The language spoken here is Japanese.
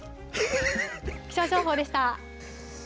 気象情報でした。